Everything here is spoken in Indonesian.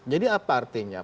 jadi apa artinya